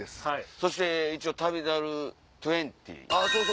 そして一応『旅猿２０』。